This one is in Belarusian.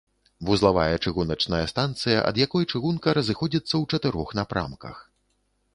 Вузлавая чыгуначная станцыя, ад якой чыгунка разыходзіцца ў чатырох напрамках.